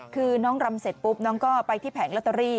คือน้องรำเสร็จปุ๊บน้องก็ไปที่แผงลอตเตอรี่